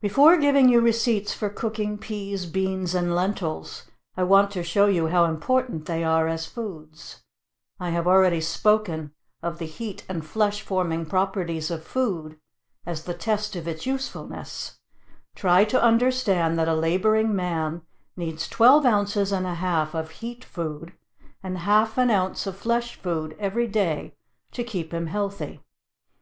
Before giving you receipts for cooking peas, beans, and lentils, I want to show you how important they are as foods. I have already spoken of the heat and flesh forming properties of food as the test of its usefulness; try to understand that a laboring man needs twelve ounces and a half of heat food, and half an ounce of flesh food every day to keep him healthy.